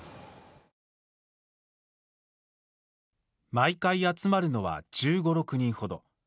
毎回集まるのは１５、６人ほど。